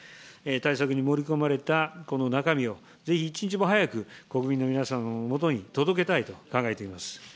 対策に盛り込まれたこの中身をぜひ一日も早く、国民の皆さんのもとに届けたいと考えています。